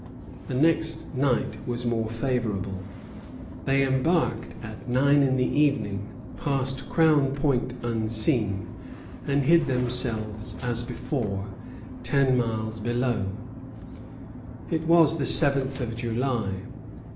The next night was more favorable. They embarked at nine in the evening, passed Crown Point unseen, and hid themselves as before, ten miles below. It was the seventh of July.